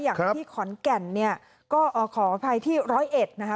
อย่างที่ขอนแก่นเนี่ยก็ขออภัยที่ร้อยเอ็ดนะคะ